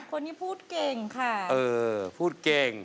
คนนี้พูดเก่งค่ะเออพูดเก่ง